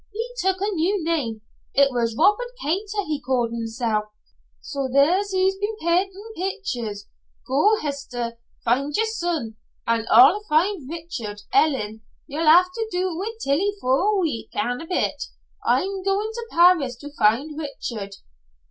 He took a new name. It was Robert Kater he called himsel'. So, there he's been pentin' pictures. Go, Hester, an' find yer son, an' I'll find Richard. Ellen, ye'll have to do wi' Tillie for a week an' a bit, I'm going to Paris to find Richard."